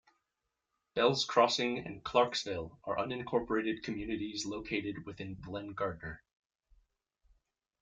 Bells Crossing and Clarksville are unincorporated communities located within Glen Gardner.